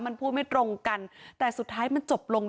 มันพูดไม่ตรงกันแต่สุดท้ายมันจบลง